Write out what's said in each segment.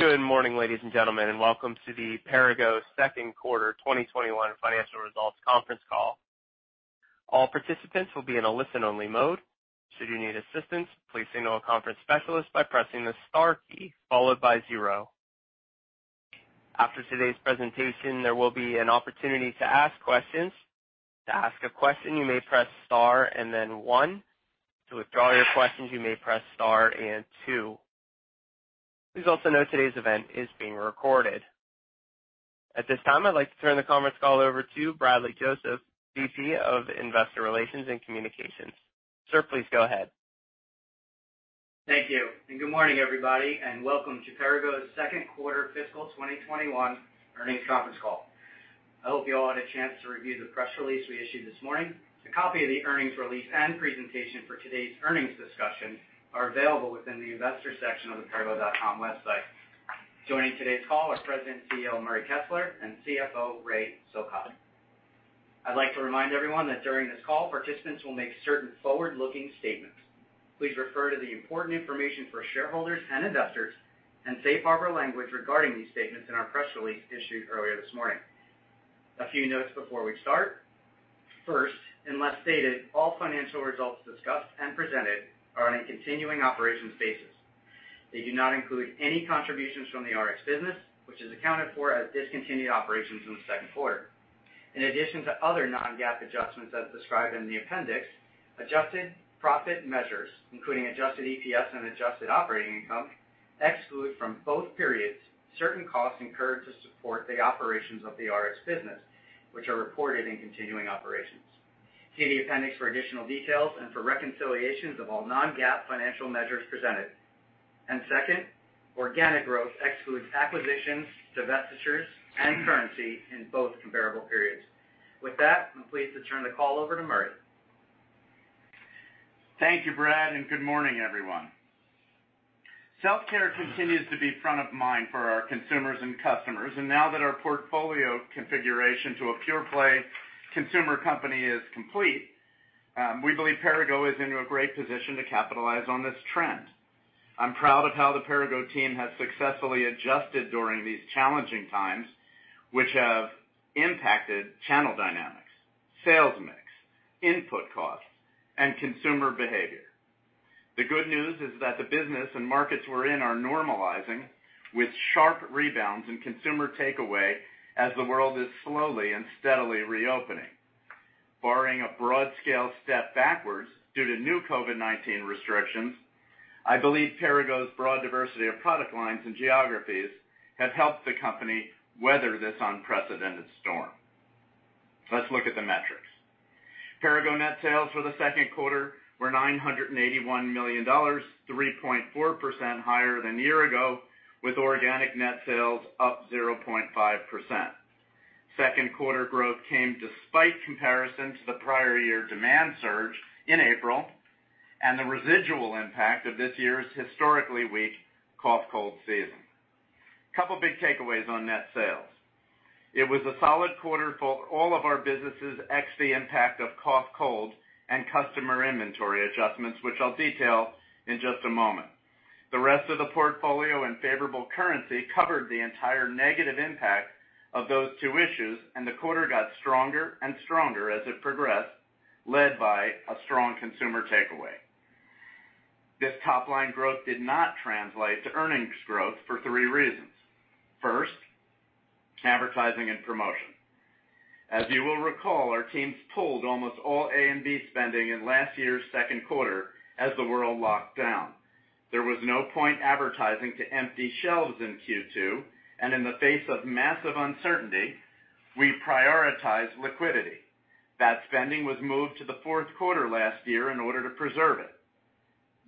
Good morning, ladies and gentlemen, and welcome to the Perrigo second quarter 2021 financial results conference call. All participants will be in a listen-only mode. Should you need assistance, please signal a conference specialist by pressing the star key followed by zero. After today's presentation, there will be an opportunity to ask questions. To ask a question, you may press star and then one. To withdraw your questions, you may press star and two. Please also note today's event is being recorded. At this time, I'd like to turn the conference call over to Bradley Joseph, VP of Investor Relations and Communications. Sir, please go ahead. Thank you. Good morning, everybody, and welcome to Perrigo's second quarter fiscal 2021 earnings conference call. I hope you all had a chance to review the press release we issued this morning. A copy of the earnings release and presentation for today's earnings discussion are available within the investor section of the perrigo.com website. Joining today's call are President and CEO Murray Kessler and CFO Ray Silcock. I'd like to remind everyone that during this call, participants will make certain forward-looking statements. Please refer to the important information for shareholders and investors and safe harbor language regarding these statements in our press release issued earlier this morning. A few notes before we start. First, unless stated, all financial results discussed and presented are on a continuing operations basis. They do not include any contributions from the Rx business, which is accounted for as discontinued operations in the second quarter. In addition to other non-GAAP adjustments as described in the appendix, adjusted profit measures, including adjusted EPS and adjusted operating income, exclude from both periods certain costs incurred to support the operations of the Rx business, which are reported in continuing operations. See the appendix for additional details and for reconciliations of all non-GAAP financial measures presented. Second, organic growth excludes acquisitions, divestitures, and currency in both comparable periods. With that, I'm pleased to turn the call over to Murray. Thank you, Brad. Good morning, everyone. Self-care continues to be front of mind for our consumers and customers. Now that our portfolio configuration to a pure-play consumer company is complete, we believe Perrigo is in a great position to capitalize on this trend. I'm proud of how the Perrigo team has successfully adjusted during these challenging times, which have impacted channel dynamics, sales mix, input costs, and consumer behavior. The good news is that the business and markets we're in are normalizing with sharp rebounds in consumer takeaway as the world is slowly and steadily reopening. Barring a broad-scale step backwards due to new COVID-19 restrictions, I believe Perrigo's broad diversity of product lines and geographies have helped the company weather this unprecedented storm. Let's look at the metrics. Perrigo net sales for the second quarter were $981 million, 3.4% higher than year-ago, with organic net sales up 0.5%. Second quarter growth came despite comparison to the prior year demand surge in April and the residual impact of this year's historically weak cough/cold season. Couple big takeaways on net sales. It was a solid quarter for all of our businesses, ex the impact of cough/cold, and customer inventory adjustments, which I'll detail in just a moment. The rest of the portfolio and favorable currency covered the entire negative impact of those two issues, and the quarter got stronger and stronger as it progressed, led by a strong consumer takeaway. This top-line growth did not translate to earnings growth for three reasons. First, Advertising and Promotion. As you will recall, our teams pulled almost all A&P spending in last year's second quarter as the world locked down. There was no point advertising to empty shelves in Q2, and in the face of massive uncertainty, we prioritized liquidity. That spending was moved to the fourth quarter last year in order to preserve it.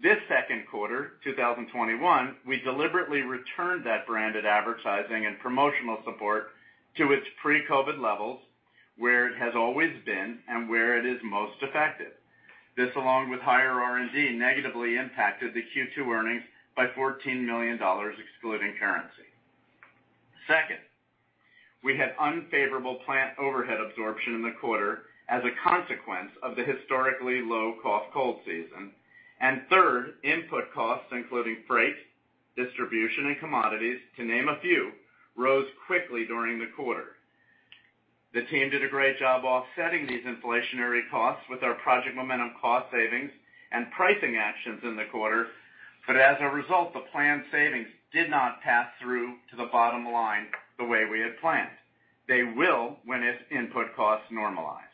This second quarter, 2021, we deliberately returned that branded advertising and promotional support to its pre-COVID levels, where it has always been and where it is most effective. This, along with higher R&D, negatively impacted the Q2 earnings by $14 million excluding currency. Second, we had unfavorable plant overhead absorption in the quarter as a consequence of the historically low cough/cold season. Third, input costs, including freight, distribution, and commodities, to name a few, rose quickly during the quarter. The team did a great job offsetting these inflationary costs with our Project Momentum cost savings and pricing actions in the quarter. As a result, the planned savings did not pass through to the bottom line the way we had planned. They will when its input costs normalize.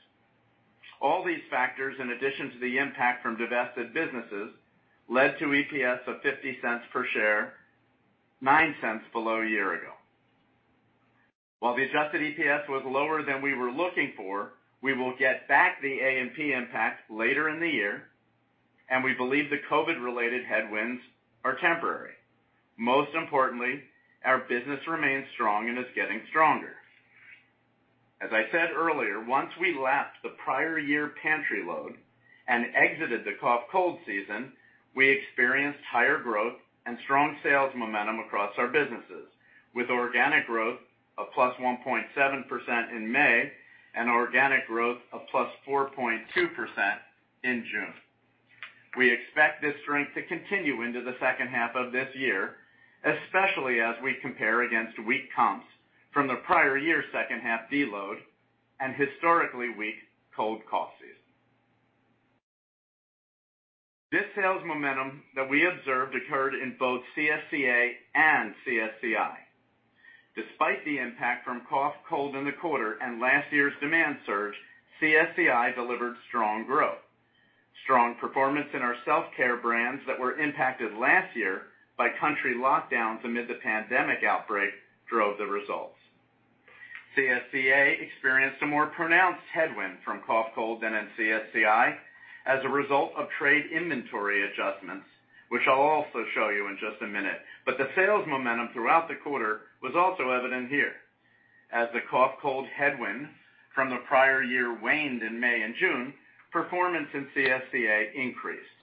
All these factors, in addition to the impact from divested businesses, led to EPS of $0.50 per share, $0.09 below year ago. While the adjusted EPS was lower than we were looking for, we will get back the A&P impact later in the year, and we believe the COVID-related headwinds are temporary. Most importantly, our business remains strong and is getting stronger. As I said earlier, once we lapped the prior year pantry load and exited the cold/cough season, we experienced higher growth and strong sales momentum across our businesses, with organic growth of +1.7% in May and organic growth of +4.2% in June. We expect this strength to continue into the second half of this year, especially as we compare against weak comps from the prior year's second half de-load and historically weak cold/cough season. This sales momentum that we observed occurred in both CSCA and CSCI. Despite the impact from cold/cough in the quarter and last year's demand surge, CSCI delivered strong growth. Strong performance in our self-care brands that were impacted last year by country lockdowns amid the pandemic outbreak drove the results. CSCA experienced a more pronounced headwind from cough/cold than in CSCI as a result of trade inventory adjustments, which I'll also show you in just a minute. The sales momentum throughout the quarter was also evident here. As the cough/cold headwind from the prior year waned in May and June, performance in CSCA increased.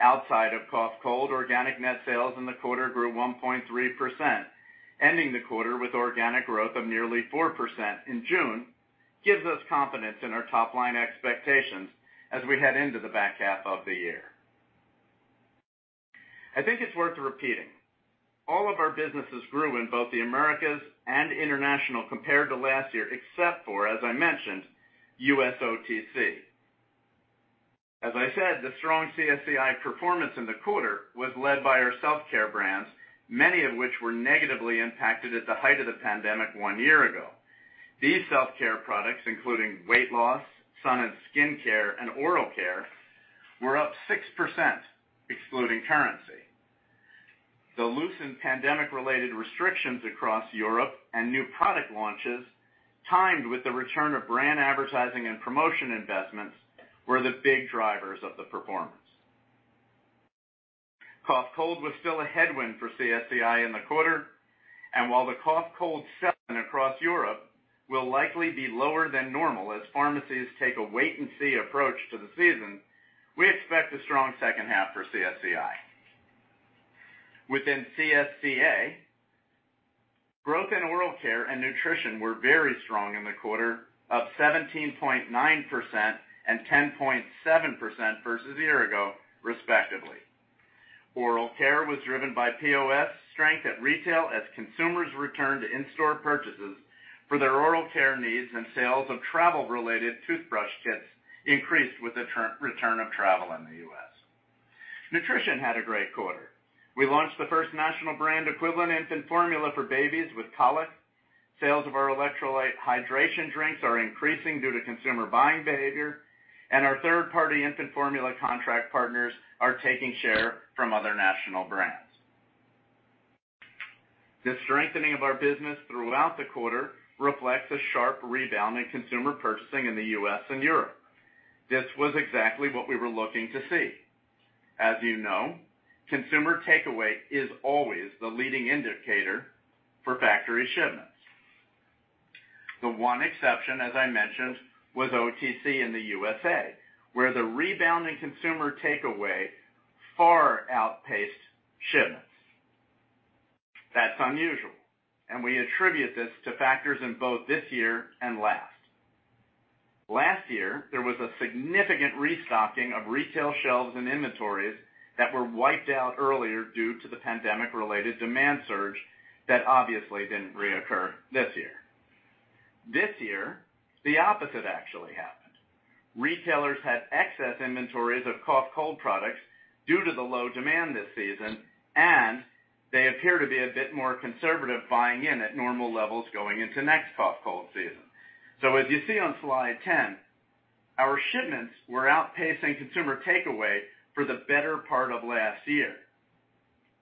Outside of cough/cold, organic net sales in the quarter grew 1.3%, ending the quarter with organic growth of nearly 4% in June gives us confidence in our top-line expectations as we head into the back half of the year. I think it's worth repeating, all of our businesses grew in both the Americas and international compared to last year, except for, as I mentioned, U.S. OTC. As I said, the strong CSCI performance in the quarter was led by our self-care brands, many of which were negatively impacted at the height of the pandemic one year ago. These self-care products, including weight loss, sun and skin care, and oral care, were up 6%, excluding currency. The loosened pandemic-related restrictions across Europe and new product launches, timed with the return of brand advertising and promotion investments, were the big drivers of the performance. While the cough/cold selling across Europe will likely be lower than normal as pharmacies take a wait and see approach to the season, we expect a strong second half for CSCI. Within CSCA, growth in oral care and nutrition were very strong in the quarter, up 17.9% and 10.7% versus a year ago, respectively. Oral care was driven by POS strength at retail as consumers returned to in-store purchases for their oral care needs, and sales of travel-related toothbrush kits increased with the return of travel in the U.S. Nutrition had a great quarter. We launched the first national brand equivalent infant formula for babies with colic. Sales of our electrolyte hydration drinks are increasing due to consumer buying behavior, and our third-party infant formula contract partners are taking share from other national brands. The strengthening of our business throughout the quarter reflects a sharp rebound in consumer purchasing in the U.S. and Europe. This was exactly what we were looking to see. As you know, consumer takeaway is always the leading indicator for factory shipments. The one exception, as I mentioned, was OTC in the U.S., where the rebound in consumer takeaway far outpaced shipments. That's unusual, and we attribute this to factors in both this year and last. Last year, there was a significant restocking of retail shelves and inventories that were wiped out earlier due to the pandemic-related demand surge that obviously didn't reoccur this year. This year, the opposite actually happened. Retailers had excess inventories of cough/cold products due to the low demand this season, and they appear to be a bit more conservative buying in at normal levels going into next cough/cold season. As you see on slide 10, our shipments were outpacing consumer takeaway for the better part of last year.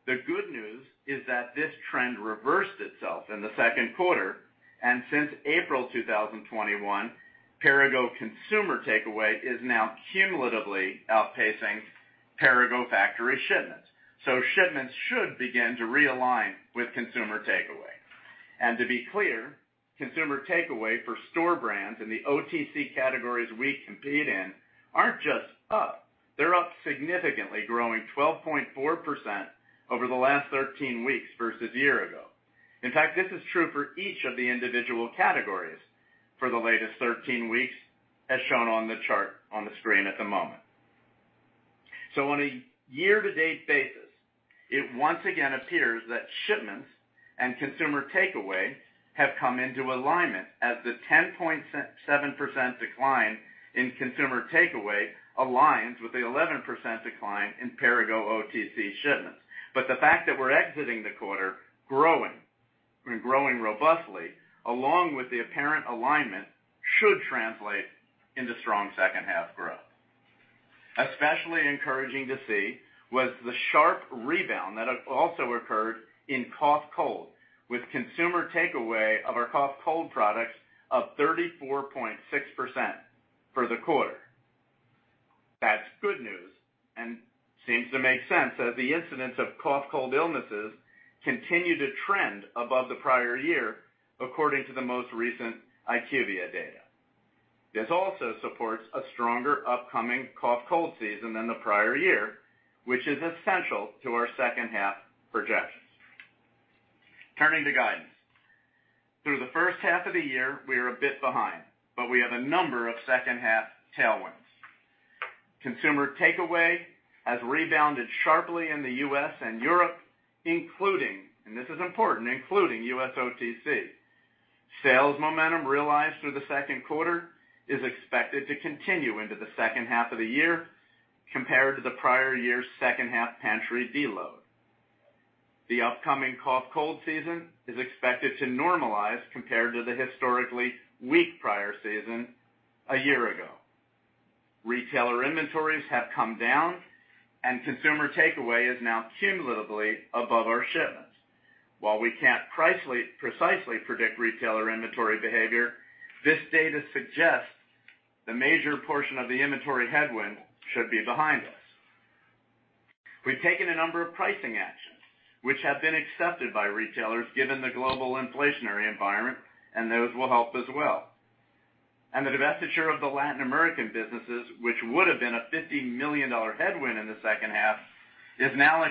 The good news is that this trend reversed itself in the second quarter, and since April 2021, Perrigo consumer takeaway is now cumulatively outpacing Perrigo factory shipments, so shipments should begin to realign with consumer takeaway. To be clear, consumer takeaway for store brands in the OTC categories we compete in aren't just up, they're up significantly, growing 12.4% over the last 13 weeks versus a year ago. In fact, this is true for each of the individual categories for the latest 13 weeks, as shown on the chart on the screen at the moment. On a year-to-date basis, it once again appears that shipments and consumer takeaway have come into alignment as the 10.7% decline in consumer takeaway aligns with the 11% decline in Perrigo OTC shipments. The fact that we're exiting the quarter growing, and growing robustly, along with the apparent alignment, should translate into strong second half growth. Especially encouraging to see was the sharp rebound that also occurred in cough/cold, with consumer takeaway of our cough/cold products up 34.6% for the quarter. That's good news and seems to make sense as the incidence of cough/cold illnesses continue to trend above the prior year, according to the most recent IQVIA data. This also supports a stronger upcoming cough/cold season than the prior year, which is essential to our second half projections. Turning to guidance. Through the first half of the year, we are a bit behind, but we have a number of second half tailwinds. Consumer takeaway has rebounded sharply in the U.S. and Europe, including, and this is important, including U.S. OTC. Sales momentum realized through the second quarter is expected to continue into the second half of the year compared to the prior year's second half pantry deload. The upcoming cough-cold season is expected to normalize compared to the historically weak prior season a year ago. Retailer inventories have come down, and consumer takeaway is now cumulatively above our shipments. While we can't precisely predict retailer inventory behavior, this data suggests the major portion of the inventory headwind should be behind us. We've taken a number of pricing actions, which have been accepted by retailers given the global inflationary environment, and those will help as well. The divestiture of the Latin American businesses, which would've been a $50 million headwind in the second half, is now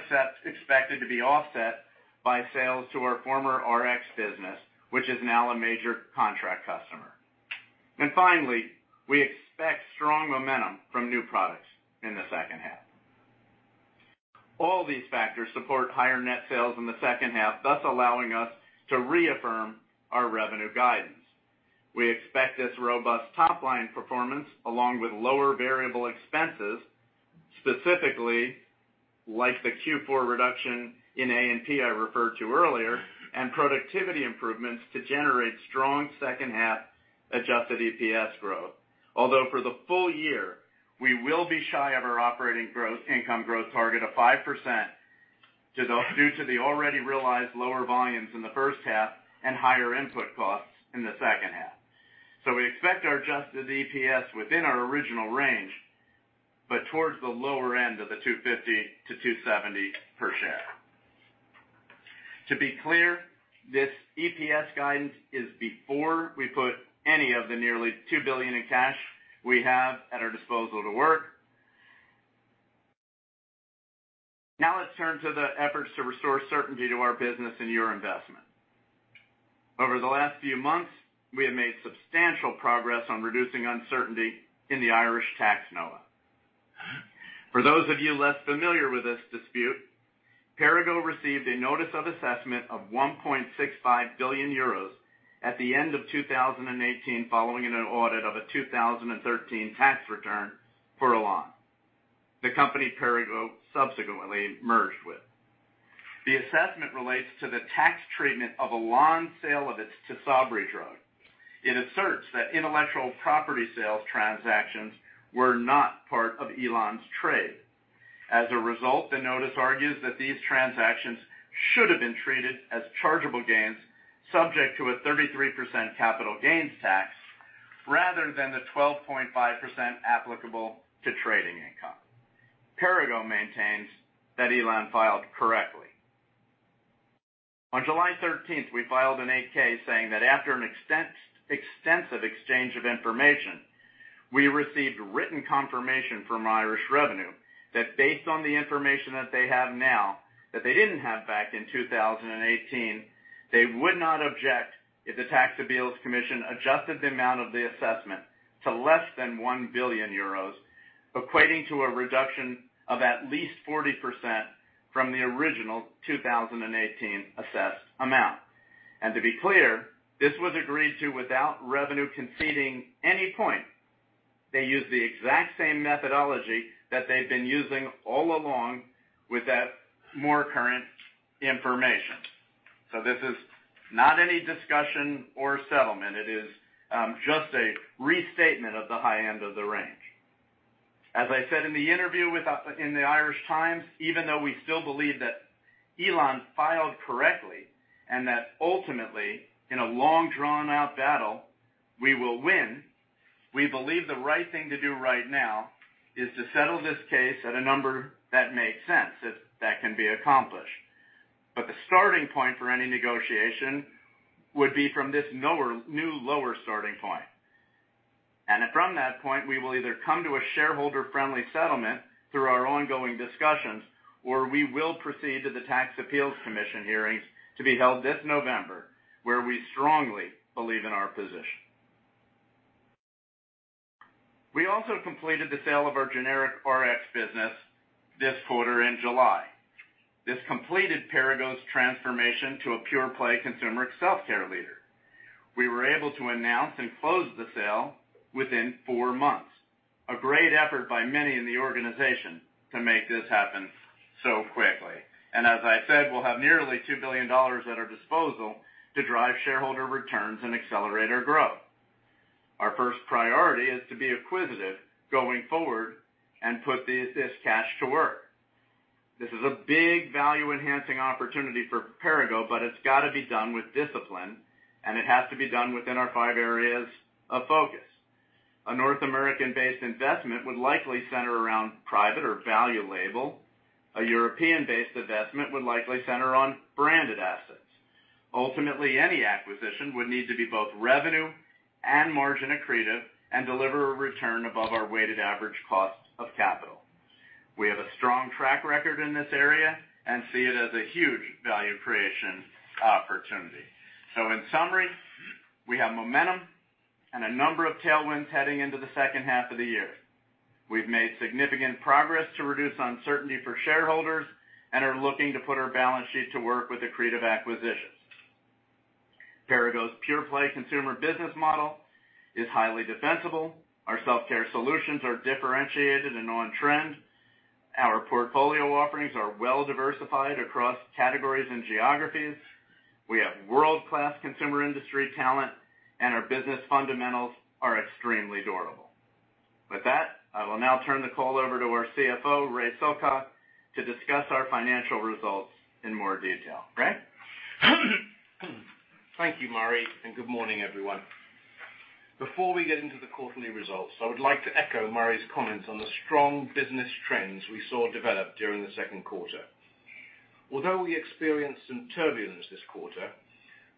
expected to be offset by sales to our former Rx business, which is now a major contract customer. Finally, we expect strong momentum from new products in the second half. All these factors support higher net sales in the second half, thus allowing us to reaffirm our revenue guidance. We expect this robust top-line performance along with lower variable expenses, specifically like the Q4 reduction in A&P I referred to earlier, and productivity improvements to generate strong second half adjusted EPS growth. For the full year, we will be shy of our operating income growth target of 5% due to the already realized lower volumes in the first half and higher input costs in the second half. We expect our adjusted EPS within our original range, but towards the lower end of $2.50-2.70 per share. To be clear, this EPS guidance is before we put any of the nearly $2 billion in cash we have at our disposal to work. Now let's turn to the efforts to restore certainty to our business and your investment. Over the last few months, we have made substantial progress on reducing uncertainty in the Irish tax NOA. For those of you less familiar with this dispute, Perrigo received a Notice of Assessment of 1.65 billion euros at the end of 2018 following an audit of a 2013 tax return for Elan, the company Perrigo subsequently merged with. The assessment relates to the tax treatment of Elan's sale of its TYSABRI drug. It asserts that intellectual property sales transactions were not part of Elan's trade. As a result, the Notice argues that these transactions should've been treated as chargeable gains subject to a 33% capital gains tax rather than the 12.5% applicable to trading income. Perrigo maintains that Elan filed correctly. On July 13, we filed an 8-K saying that after an extensive exchange of information, we received written confirmation from Irish Revenue that based on the information that they have now that they didn't have back in 2018, they would not object if the Tax Appeals Commission adjusted the amount of the assessment to less than 1 billion euros, equating to a reduction of at least 40% from the original 2018 assessed amount. To be clear, this was agreed to without Revenue conceding any point. They used the exact same methodology that they've been using all along with that more current information. This is not any discussion or settlement. It is just a restatement of the high end of the range. As I said in the interview in "The Irish Times," even though we still believe that Elan filed correctly and that ultimately, in a long drawn-out battle, we will win, we believe the right thing to do right now is to settle this case at a number that makes sense, if that can be accomplished. The starting point for any negotiation would be from this new lower starting point. From that point, we will either come to a shareholder-friendly settlement through our ongoing discussions, or we will proceed to the Tax Appeals Commission hearings to be held this November, where we strongly believe in our position. We also completed the sale of our generic RX business this quarter in July. This completed Perrigo's transformation to a pure-play consumer self-care leader. We were able to announce and close the sale within four months. A great effort by many in the organization to make this happen so quickly. As I said, we'll have nearly $2 billion at our disposal to drive shareholder returns and accelerate our growth. Our first priority is to be acquisitive going forward and put this cash to work. This is a big value-enhancing opportunity for Perrigo, but it's got to be done with discipline, and it has to be done within our five areas of focus. A North American-based investment would likely center around private or value label. A European-based investment would likely center on branded assets. Ultimately, any acquisition would need to be both revenue and margin accretive and deliver a return above our weighted average cost of capital. We have a strong track record in this area and see it as a huge value creation opportunity. In summary, we have momentum and a number of tailwinds heading into the second half of the year. We've made significant progress to reduce uncertainty for shareholders and are looking to put our balance sheet to work with accretive acquisitions. Perrigo's pure-play consumer business model is highly defensible. Our self-care solutions are differentiated and on-trend. Our portfolio offerings are well diversified across categories and geographies. We have world-class consumer industry talent, and our business fundamentals are extremely durable. With that, I will now turn the call over to our CFO, Ray Silcock, to discuss our financial results in more detail. Ray? Thank you, Murray. Good morning, everyone. Before we get into the quarterly results, I would like to echo Murray's comments on the strong business trends we saw develop during the second quarter. Although we experienced some turbulence this quarter,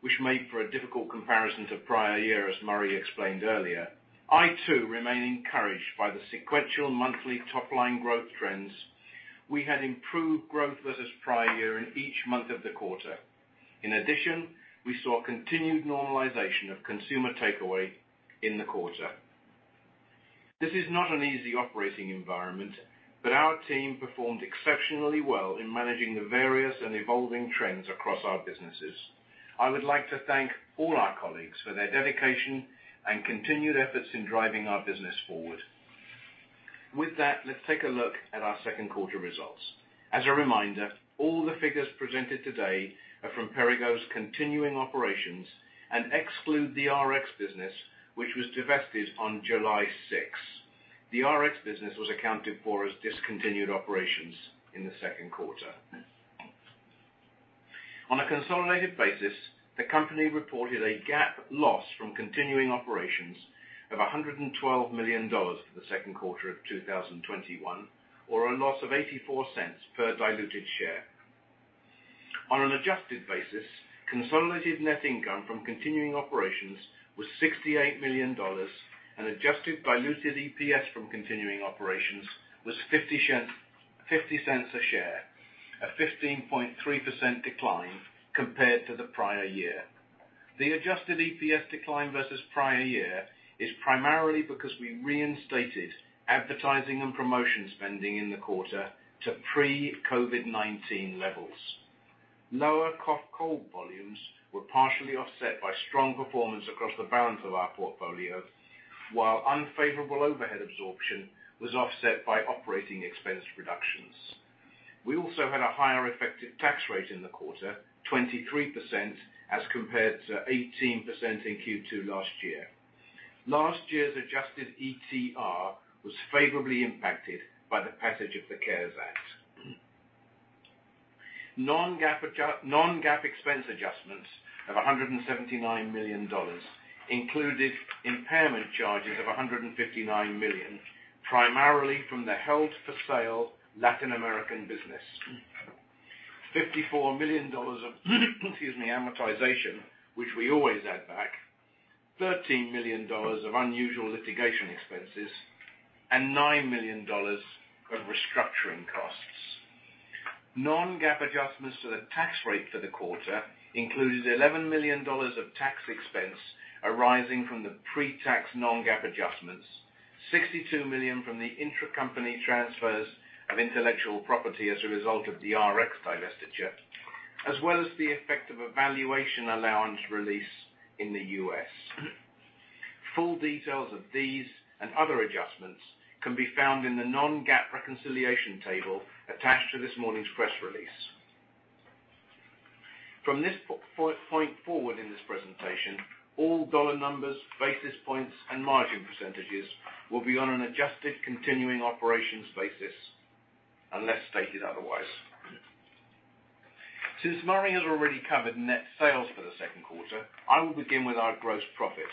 which made for a difficult comparison to prior year, as Murray explained earlier, I too remain encouraged by the sequential monthly top-line growth trends. We had improved growth versus prior year in each month of the quarter. In addition, we saw continued normalization of consumer takeaway in the quarter. This is not an easy operating environment. Our team performed exceptionally well in managing the various and evolving trends across our businesses. I would like to thank all our colleagues for their dedication and continued efforts in driving our business forward. With that, let's take a look at our second quarter results. As a reminder, all the figures presented today are from Perrigo's continuing operations and exclude the Rx business, which was divested on July 6. The Rx business was accounted for as discontinued operations in the quarter. On a consolidated basis, the company reported a GAAP loss from continuing operations of $112 million for the second quarter of 2021, or a loss of $0.84 per diluted share. On an adjusted basis, consolidated net income from continuing operations was $68 million, adjusted diluted EPS from continuing operations was $0.50 a share, a 15.3% decline compared to the prior year. The adjusted EPS decline versus prior year is primarily because we reinstated advertising and promotion spending in the quarter to pre-COVID-19 levels. Lower cough, cold volumes were partially offset by strong performance across the balance of our portfolio, while unfavorable overhead absorption was offset by operating expense reductions. We also had a higher effective tax rate in the quarter, 23% as compared to 18% in Q2 last year. Last year's adjusted ETR was favorably impacted by the passage of the CARES Act. Non-GAAP expense adjustments of $179 million included impairment charges of $159 million, primarily from the held-for-sale Latin American business. $54 million of, excuse me, amortization, which we always add back, $13 million of unusual litigation expenses, and $9 million of restructuring costs. Non-GAAP adjustments to the tax rate for the quarter included $11 million of tax expense arising from the pre-tax non-GAAP adjustments, $62 million from the intracompany transfers of intellectual property as a result of the Rx divestiture, as well as the effect of a valuation allowance release in the U.S. Full details of these and other adjustments can be found in the non-GAAP reconciliation table attached to this morning's press release. From this point forward in this presentation, all dollar numbers, basis points, and margin percentages will be on an adjusted continuing operations basis unless stated otherwise. Since Murray has already covered net sales for the second quarter, I will begin with our gross profit.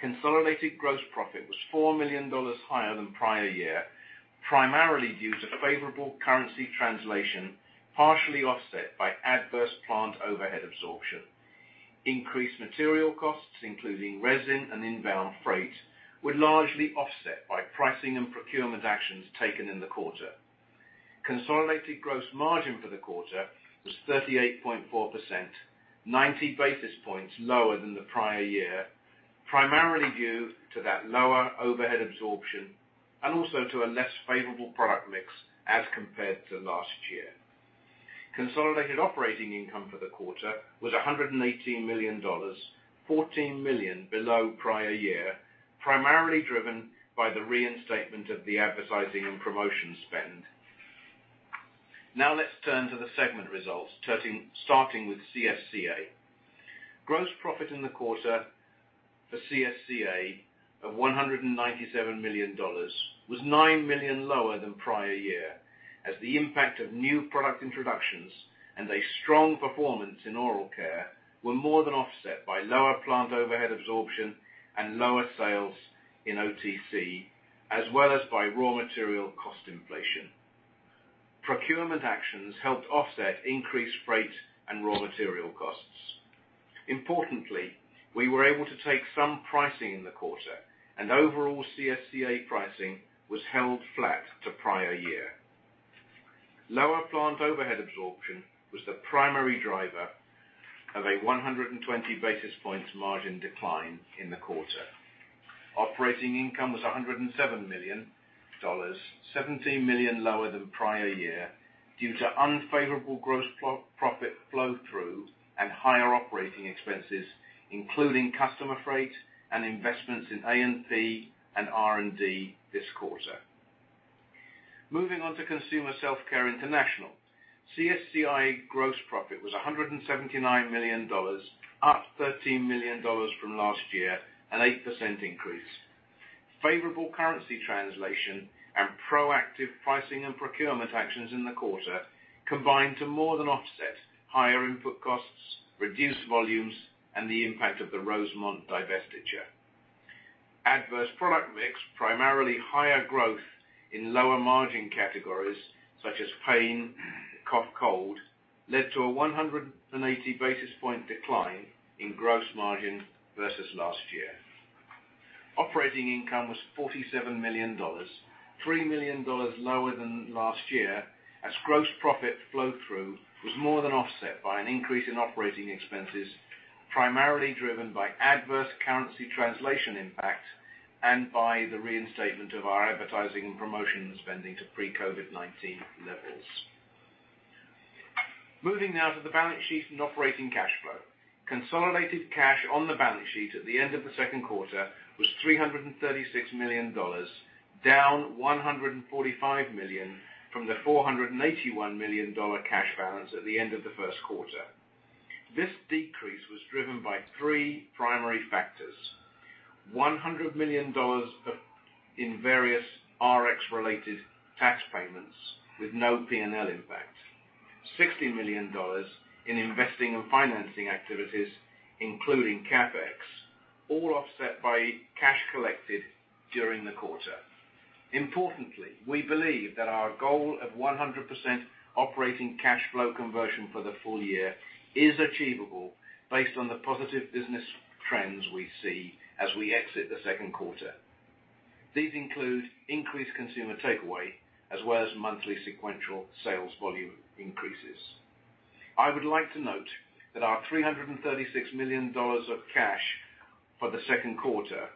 Consolidated gross profit was $4 million higher than prior year, primarily due to favorable currency translation, partially offset by adverse plant overhead absorption. Increased material costs, including resin and inbound freight, were largely offset by pricing and procurement actions taken in the quarter. Consolidated gross margin for the quarter was 38.4%, 90 basis points lower than the prior year, primarily due to that lower overhead absorption and also to a less favorable product mix as compared to last year. Consolidated operating income for the quarter was $118 million, $14 million below prior year, primarily driven by the reinstatement of the advertising and promotion spend. Let's turn to the segment results, starting with CSCA. Gross profit in the quarter for CSCA of $197 million was $9 million lower than prior year, as the impact of new product introductions and a strong performance in oral care were more than offset by lower plant overhead absorption and lower sales in OTC, as well as by raw material cost inflation. Procurement actions helped offset increased freight and raw material costs. We were able to take some pricing in the quarter, and overall CSCA pricing was held flat to prior year. Lower plant overhead absorption was the primary driver of a 120 basis points margin decline in the quarter. Operating income was $107 million, $17 million lower than prior year due to unfavorable gross profit flow-through and higher operating expenses, including customer freight and investments in A&P and R&D this quarter. Moving on to Consumer Self-Care International. CSCI gross profit was $179 million, up $13 million from last year, an 8% increase. Favorable currency translation and proactive pricing and procurement actions in the quarter combined to more than offset higher input costs, reduced volumes, and the impact of the Rosemont divestiture. Adverse product mix, primarily higher growth in lower margin categories such as pain, cough, cold, led to a 180 basis points decline in gross margin versus last year. Operating income was $47 million, $3 million lower than last year, as gross profit flow-through was more than offset by an increase in operating expenses, primarily driven by adverse currency translation impact and by the reinstatement of our advertising and promotion spending to pre-COVID-19 levels. Moving now to the balance sheet and operating cash flow. Consolidated cash on the balance sheet at the end of the second quarter was $336 million, down $145 million from the $481 million cash balance at the end of the first quarter. This decrease was driven by three primary factors. $100 million in various Rx-related tax payments with no P&L impact, $60 million in investing and financing activities, including CapEx, all offset by cash collected during the quarter. Importantly, we believe that our goal of 100% operating cash flow conversion for the full year is achievable based on the positive business trends we see as we exit the second quarter. These include increased consumer takeaway as well as monthly sequential sales volume increases. I would like to note that our $336 million of cash for the second quarter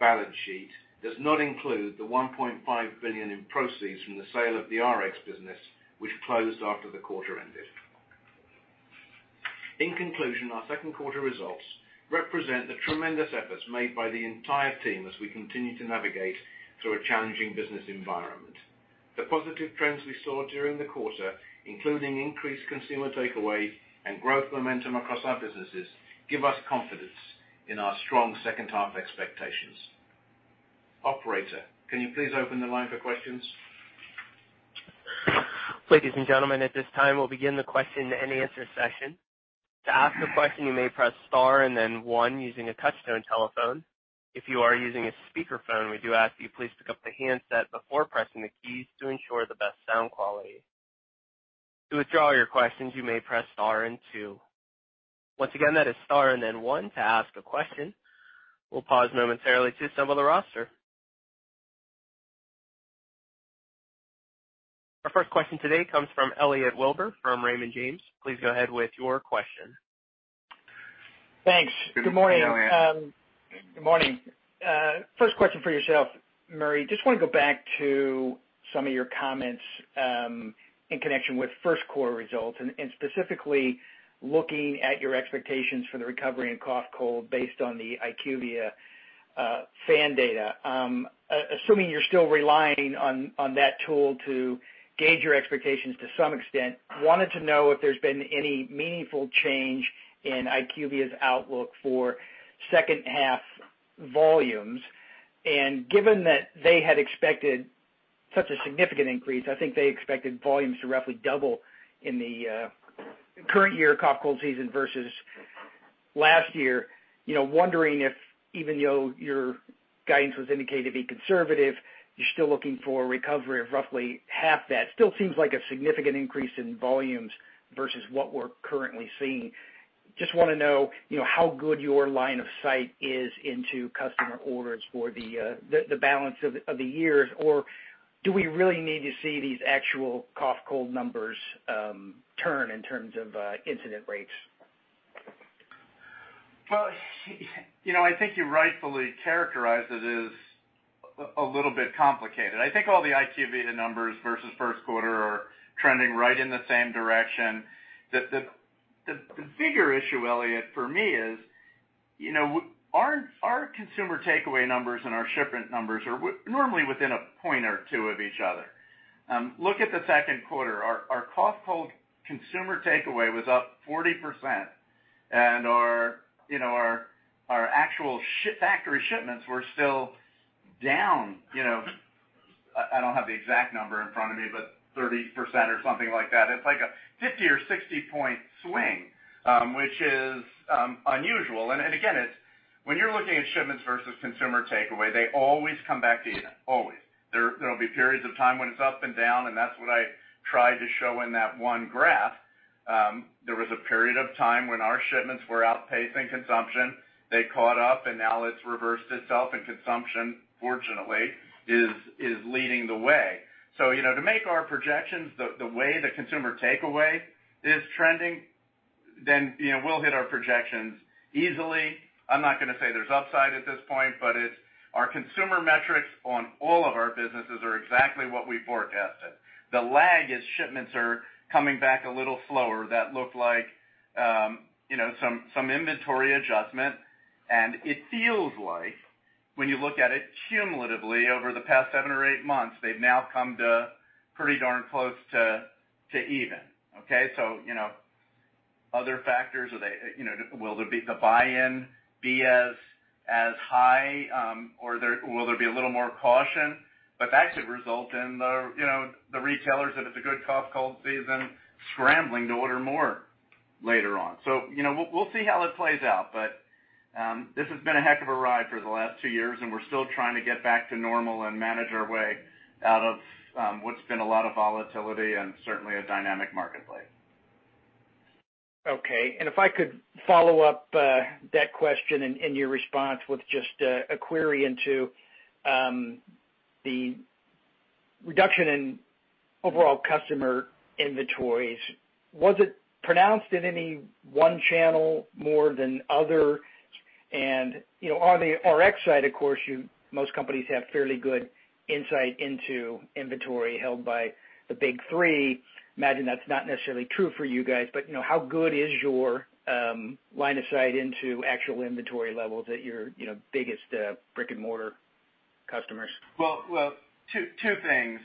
balance sheet does not include the $1.5 billion in proceeds from the sale of the Rx business, which closed after the quarter ended. In conclusion, our second quarter results represent the tremendous efforts made by the entire team as we continue to navigate through a challenging business environment. The positive trends we saw during the quarter, including increased consumer takeaway and growth momentum across our businesses, give us confidence in our strong second half expectations. Operator, can you please open the line for questions? Ladies and gentlemen, at this time, we'll begin the question and answer session. We'll pause momentarily to assemble the roster. Our first question today comes from Elliot Wilbur from Raymond James. Please go ahead with your question. Thanks. Good morning. Good morning, Elliott. Good morning. First question for yourself, Murray. Just want to go back to some of your comments in connection with first quarter results, and specifically looking at your expectations for the recovery in cough cold based on the IQVIA FAN data. Assuming you're still relying on that tool to gauge your expectations to some extent, wanted to know if there's been any meaningful change in IQVIA's outlook for second half volumes. Given that they had expected such a significant increase, I think they expected volumes to roughly double in the current year cough cold season versus last year. Wondering if, even though your guidance was indicated to be conservative, you're still looking for a recovery of roughly half that. Still seems like a significant increase in volumes versus what we're currently seeing. just want to know how good your line of sight is into customer orders for the balance of the year. Do we really need to see these actual cough cold numbers turn in terms of incident rates? Well, I think you rightfully characterized it as a little bit complicated. I think all the IQVIA numbers versus first quarter are trending right in the same direction. The bigger issue, Elliott, for me is, our consumer takeaway numbers and our shipment numbers are normally within a point or two of each other. Look at the second quarter. Our cough cold consumer takeaway was up 40%, and our actual factory shipments were still down. I don't have the exact number in front of me, but 30% or something like that. It's like a 50 or 60 point swing, which is unusual. When you're looking at shipments versus consumer takeaway, they always come back to even. Always. There will be periods of time when it's up and down, and that's what I tried to show in that one graph. There was a period of time when our shipments were outpacing consumption. They caught up and now it's reversed itself, and consumption, fortunately, is leading the way. To make our projections, the way the consumer takeaway is trending, then we'll hit our projections easily. I'm not going to say there's upside at this point, but our consumer metrics on all of our businesses are exactly what we forecasted. The lag is shipments are coming back a little slower that look like some inventory adjustment. It feels like, when you look at it cumulatively over the past seven or eight months, they've now come to pretty darn close to even. Okay. Other factors, will the buy-in be as high, or will there be a little more caution? That should result in the retailers that it's a good cough, cold season scrambling to order more later on. We'll see how this plays out. This has been a heck of a ride for the last two years, and we're still trying to get back to normal and manage our way out of what's been a lot of volatility and certainly a dynamic marketplace. Okay. If I could follow up that question and your response with just a query into the reduction in overall customer inventories. Was it pronounced in any one channel more than other? On the Rx side, of course, most companies have fairly good insight into inventory held by the big three. I imagine that's not necessarily true for you guys, but how good is your line of sight into actual inventory levels at your biggest brick and mortar customers? Well, two things.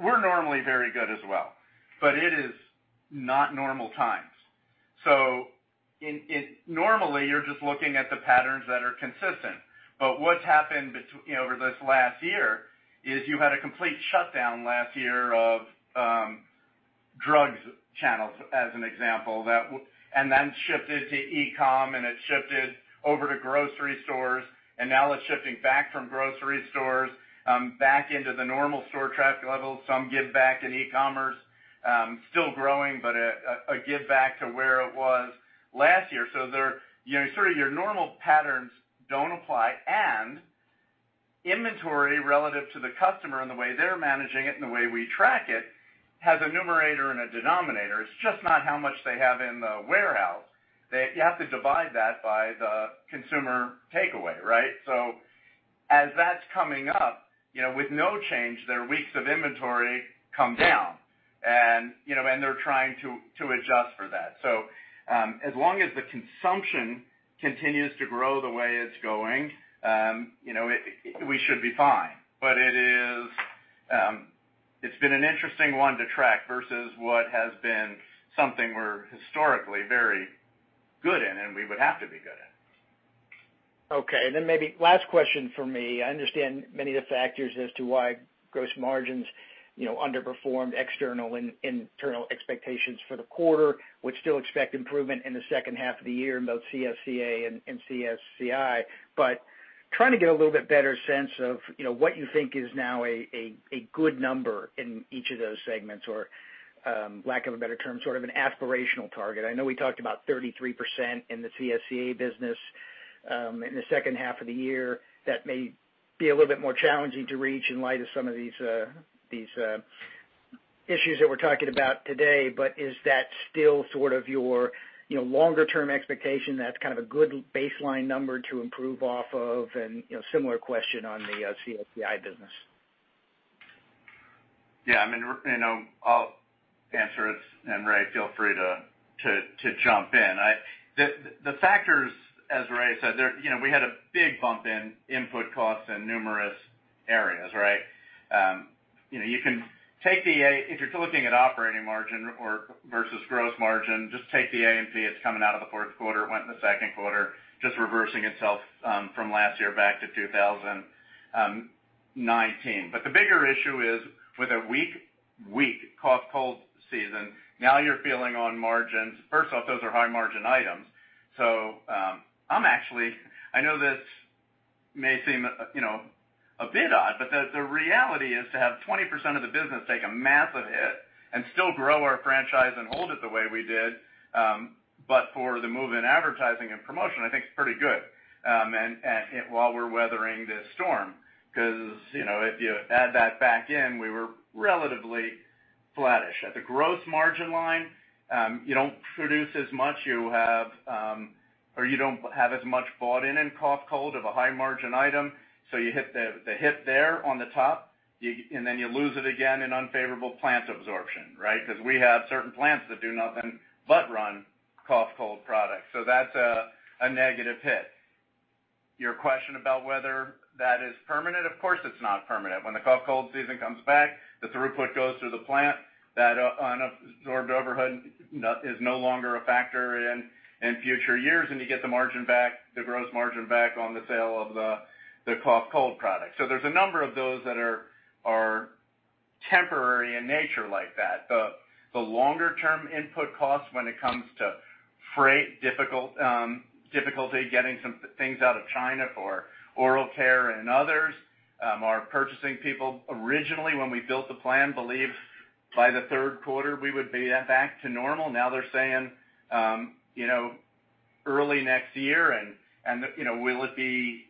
We're normally very good as well, but it is not normal times. Normally, you're just looking at the patterns that are consistent. What's happened over this last year is you had a complete shutdown last year of drugs channels, as an example. Shifted to e-com, and it shifted over to grocery stores, and now it's shifting back from grocery stores back into the normal store traffic levels. Some give back in e-commerce. Still growing, a give back to where it was last year. Sort of your normal patterns don't apply and inventory relative to the customer and the way they're managing it and the way we track it, has a numerator and a denominator. It's just not how much they have in the warehouse. You have to divide that by the consumer takeaway, right? As that's coming up, with no change, their weeks of inventory come down, and they're trying to adjust for that. As long as the consumption continues to grow the way it's going, we should be fine. It's been an interesting one to track versus what has been something we're historically very good in, and we would have to be good at. Maybe last question for me. I understand many of the factors as to why gross margins underperformed external and internal expectations for the quarter. Would still expect improvement in the second half of the year in both CSCA and CSCI. Trying to get a little bit better sense of what you think is now a good number in each of those segments or, lack of a better term, sort of an aspirational target. I know we talked about 33% in the CSCA business in the second half of the year. That may be a little bit more challenging to reach in light of some of these issues that we're talking about today. Is that still sort of your longer-term expectation, that's kind of a good baseline number to improve off of? Similar question on the CSCI business. Yeah. I'll answer it, and Ray, feel free to jump in. The factors, as Ray said, we had a big bump in input costs in numerous areas, right? If you're looking at operating margin versus gross margin, just take the A&P that's coming out of the fourth quarter, went in the second quarter, just reversing itself from last year back to 2019. The bigger issue is with a weak cough, cold season, now you're feeling on margins. First off, those are high margin items. I know this may seem a bit odd, but the reality is to have 20% of the business take a massive hit and still grow our franchise and hold it the way we did. For the move in advertising and promotion, I think it's pretty good while we're weathering this storm. If you add that back in, we were relatively flattish. At the gross margin line, you don't produce as much, or you don't have as much bought in in cough, cold of a high margin item. You hit the hit there on the top, and then you lose it again in unfavorable plant absorption, right? Because we have certain plants that do nothing but run cough, cold products. That's a negative hit. Your question about whether that is permanent, of course, it's not permanent. When the cough, cold season comes back, the throughput goes through the plant. That unabsorbed overhead is no longer a factor in future years, and you get the gross margin back on the sale of the cough, cold product. There's a number of those that are temporary in nature like that, the longer-term input costs when it comes to freight, difficulty getting some things out of China for oral care and others. Our purchasing people, originally, when we built the plan, believed by the third quarter we would be back to normal. Now they're saying early next year, and will it be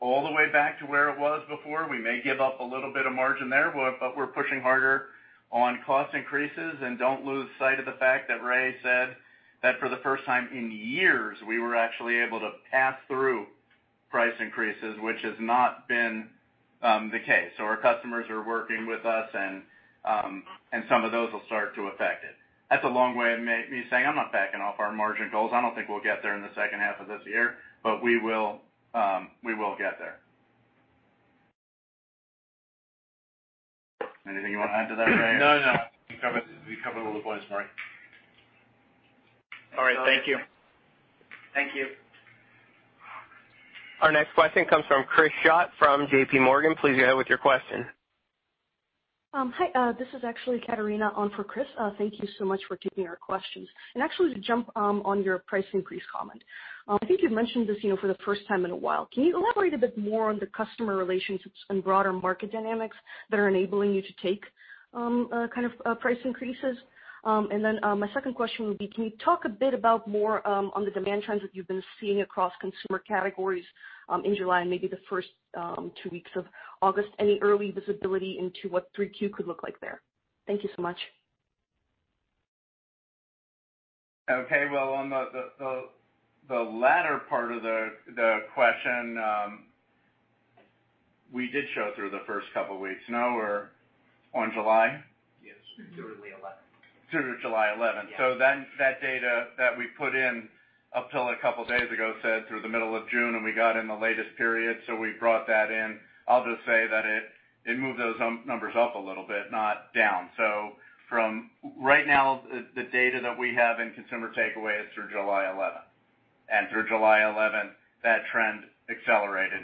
all the way back to where it was before? We may give up a little bit of margin there, but we're pushing harder on cost increases and don't lose sight of the fact that Ray said that for the first time in years, we were actually able to pass through price increases, which has not been the case. Our customers are working with us, and some of those will start to affect it. That's a long way of me saying I'm not backing off our margin goals. I don't think we'll get there in the second half of this year, but we will get there. Anything you want to add to that, Ray? No. You covered all the points, Mike. All right. Thank you. Thank you. Our next question comes from Chris Schott from JPMorgan. Please go ahead with your question. Hi. This is actually Katarina on for Chris. Thank you so much for taking our questions. Actually, to jump on your price increase comment. I think you'd mentioned this, for the first time in a while. Can you elaborate a bit more on the customer relationships and broader market dynamics that are enabling you to take price increases? Then, my second question would be, can you talk a bit about more on the demand trends that you've been seeing across consumer categories in July and maybe the first two weeks of August? Any early visibility into what 3Q could look like there? Thank you so much. Okay. Well, on the latter part of the question, we did show through the first couple of weeks. No, we're on July? Yes. Through July 11th. Through July 11th. Yeah. That data that we put in up till a couple of days ago said through the middle of June, and we got in the latest period, so we brought that in. I'll just say that it moved those numbers up a little bit, not down. From right now, the data that we have in consumer takeaway is through July 11th. Through July 11th, that trend accelerated,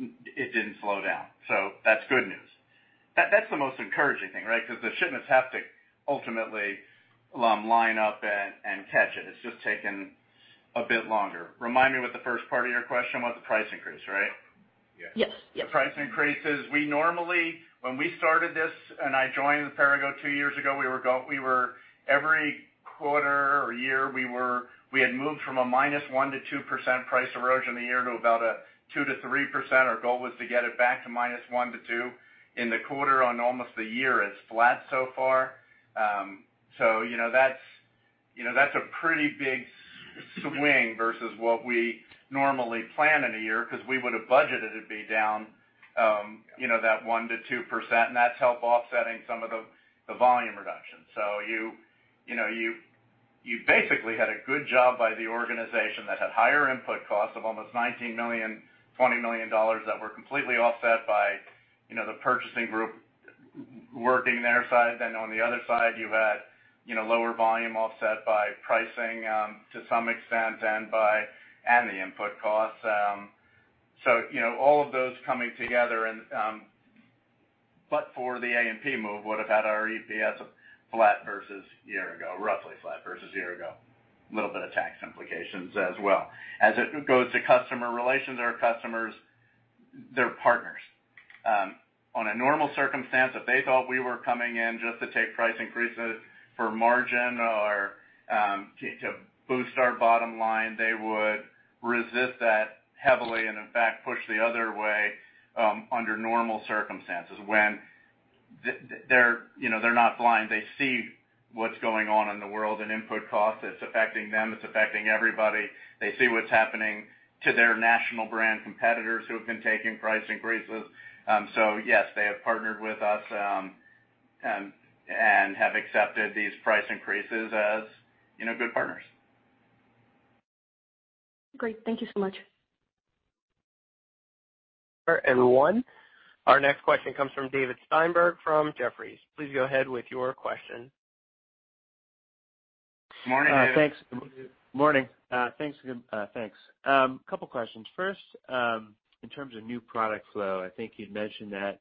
it didn't slow down. That's good news. That's the most encouraging thing, right? Because the shipments have to ultimately line up and catch it. It's just taken a bit longer. Remind me what the first part of your question was? The price increase, right? Yes. The price increases. We normally, when we started this, and I joined Perrigo two years ago, every quarter or year, we had moved from a -1% to 2% price erosion a year to about a 2%-3%. Our goal was to get it back to -1% to 2% in the quarter. On almost a year, it's flat so far. That's a pretty big swing versus what we normally plan in a year, because we would've budgeted it'd be down that 1%-2%, and that's help offsetting some of the volume reduction. You basically had a good job by the organization that had higher input costs of almost $19 million-$20 million that were completely offset by the purchasing group working their side. On the other side, you had lower volume offset by pricing, to some extent, and the input costs. All of those coming together, but for the A&P move, would've had our EPS of flat versus a year ago, roughly flat versus a year ago. Little bit of tax implications as well. As it goes to customer relations, our customers, they're partners. On a normal circumstance, if they thought we were coming in just to take price increases for margin or to boost our bottom line, they would resist that heavily and in fact, push the other way, under normal circumstances. They're not blind. They see what's going on in the world and input costs. It's affecting them. It's affecting everybody. They see what's happening to their national brand competitors who have been taking price increases. Yes, they have partnered with us, and have accepted these price increases as good partners. Great. Thank you so much. All right, everyone. Our next question comes from David Steinberg from Jefferies. Please go ahead with your question. Morning, Dave. Morning, Dave. Morning. Thanks. Couple questions. First, in terms of new product flow, I think you'd mentioned that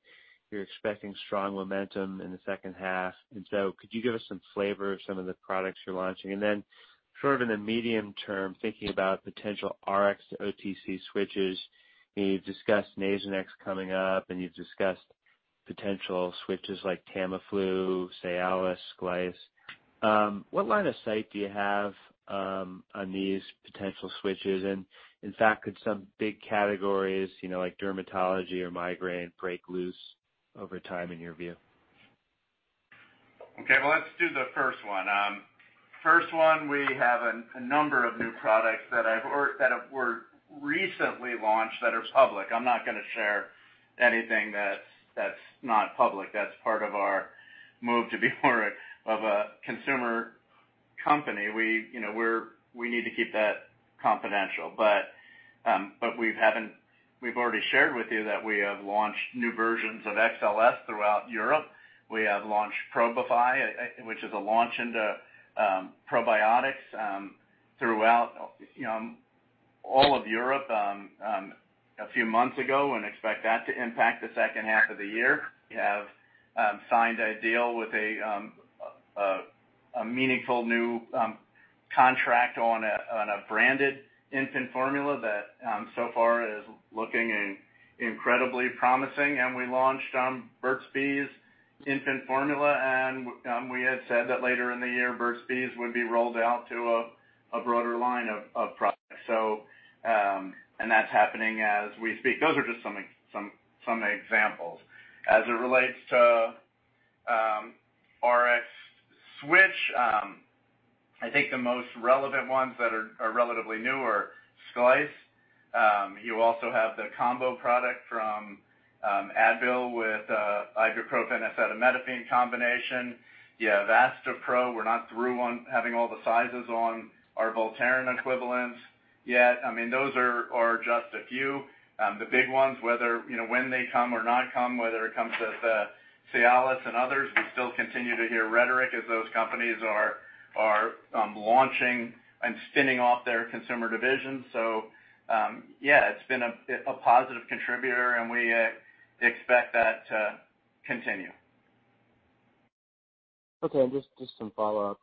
you're expecting strong momentum in the second half, and so could you give us some flavor of some of the products you're launching? Then sort of in the medium term, thinking about potential Rx to OTC switches, you've discussed Nasonex coming up, and you've discussed potential switches like Tamiflu, Cialis, Slynd. What line of sight do you have on these potential switches? In fact, could some big categories, like dermatology or migraine, break loose over time in your view? Okay. Well, let's do the first one. First one, we have a number of new products that were recently launched that are public. I'm not going to share anything that's not public. That's part of our move to be more of a consumer company. We need to keep that confidential. We've already shared with you that we have launched new versions of XLS-Medical throughout Europe. We have launched Probify, which is a launch into probiotics throughout all of Europe a few months ago and expect that to impact the second half of the year. We have signed a deal with a meaningful new contract on a branded infant formula that so far is looking incredibly promising. We launched Burt's Bees infant formula, and we had said that later in the year, Burt's Bees would be rolled out to a broader line of products. That's happening as we speak. Those are just some examples. As it relates to Rx switch, I think the most relevant ones that are relatively new are Sklice. You also have the combo product from Advil with ibuprofen, acetaminophen combination. You have Vasopro. We're not through on having all the sizes on our Voltaren equivalents yet. Those are just a few. The big ones, when they come or not come, whether it comes to Cialis and others, we still continue to hear rhetoric as those companies are launching and spinning off their consumer divisions. Yeah, it's been a positive contributor, and we expect that to continue. Just some follow-up.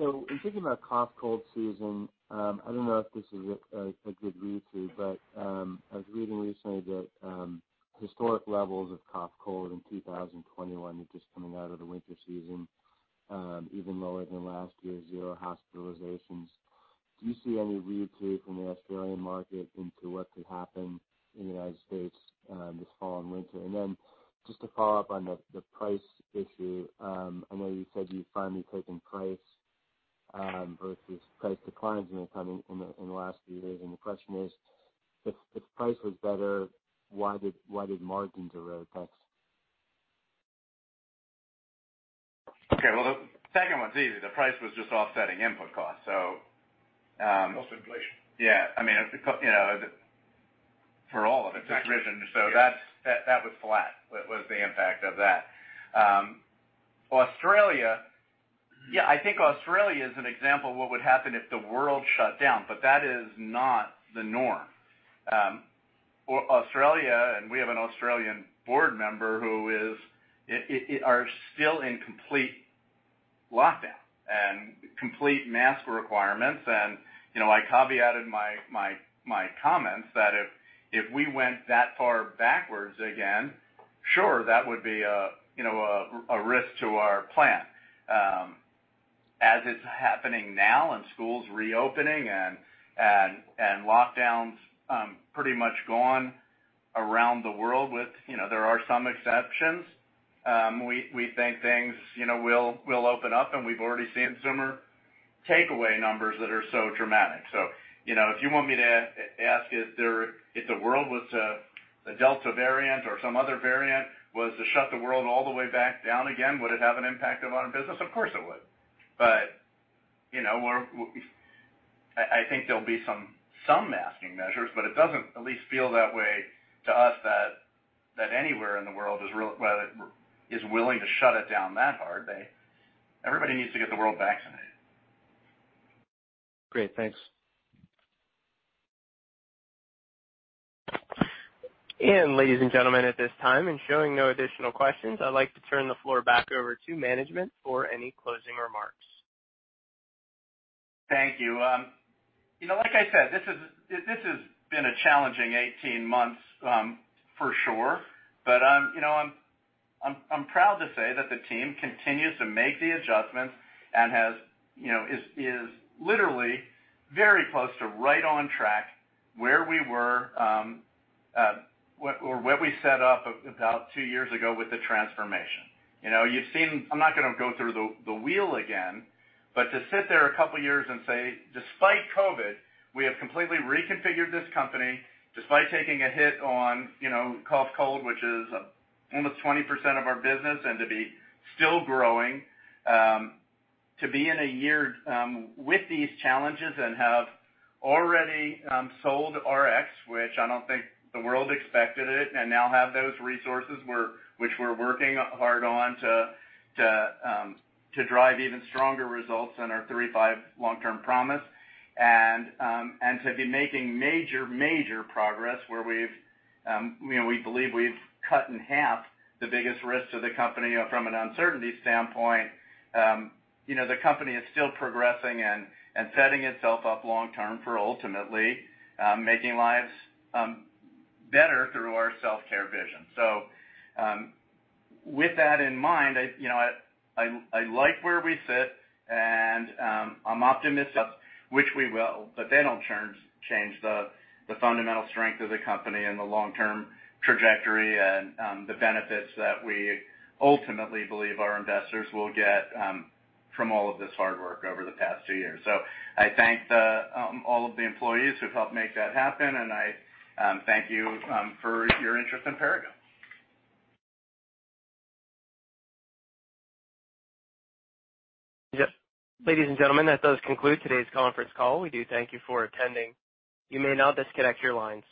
In thinking about cough cold season, I don't know if this is a good read to you, but, I was reading recently that historic levels of cough cold in 2021 are just coming out of the winter season, even lower than last year, zero hospitalizations. Do you see any read through from the Australian market into what could happen in the United States this fall and winter? Just to follow up on the price issue, I know you said you've finally taken price versus price declines in the last few years, and the question is, if price was better, why did margins erode, thanks? Okay, well, the second one's easy. The price was just offsetting input costs, cost inflation. Yeah, for all of it's risen. That was flat, was the impact of that. Australia, yeah, I think Australia is an example of what would happen if the world shut down, that is not the norm. Australia, we have an Australian board member who are still in complete lockdown and complete mask requirements. I caveated my comments that if we went that far backwards again, sure, that would be a risk to our plan. As it's happening now and schools reopening and lockdowns pretty much gone around the world with, there are some exceptions, we think things will open up, we've already seen consumer takeaway numbers that are so dramatic. If you want me to ask if the Delta variant or some other variant was to shut the world all the way back down again, would it have an impact on our business? Of course, it would. I think there'll be some masking measures, but it doesn't at least feel that way to us that anywhere in the world is willing to shut it down that hard. Everybody needs to get the world vaccinated. Great. Thanks. Ladies and gentlemen, at this time, and showing no additional questions, I'd like to turn the floor back over to management for any closing remarks. Thank you. Like I said, this has been a challenging 18 months, for sure. I'm proud to say that the team continues to make the adjustments and is literally very close to right on track where we were, or where we set off about two years ago with the transformation. I'm not going to go through the wheel again, but to sit there a couple of years and say, despite COVID-19, we have completely reconfigured this company despite taking a hit on cough/cold, which is almost 20% of our business, and to be still growing, to be in a year with these challenges and have already sold Rx, which I don't think the world expected it, and now have those resources which we're working hard on to drive even stronger results in our 3-5 long term promise, and to be making major progress where we believe we've cut in half the biggest risk to the company from an uncertainty standpoint. The company is still progressing and setting itself up long term for ultimately, making lives better through our self-care vision. With that in mind, I like where we sit and, I'm optimistic, which we will, but they don't change the fundamental strength of the company and the long-term trajectory and the benefits that we ultimately believe our investors will get from all of this hard work over the past two years. I thank all of the employees who've helped make that happen, and I thank you for your interest in Perrigo. Yes. Ladies and gentlemen, that does conclude today's conference call. We do thank you for attending. You may now disconnect your lines.